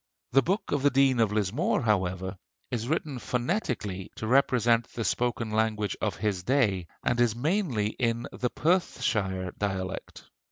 The 'Book of the Dean of Lismore,' however, is written phonetically to represent the spoken language of his day, and is mainly in the Perthshire dialect."